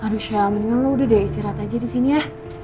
aduh shell mendingan lo udah deh istirahat aja disini ya